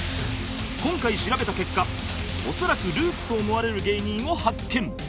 今回調べた結果恐らくルーツと思われる芸人を発見